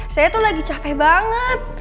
saya tuh lagi capek banget